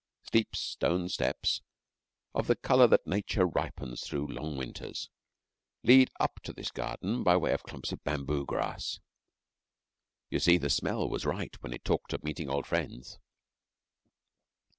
Steep stone steps, of the colour that nature ripens through long winters, lead up to this garden by way of clumps of bamboo grass. You see the Smell was right when it talked of meeting old friends.